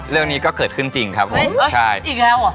เรื่องนี้ก็เกิดขึ้นจริงครับผม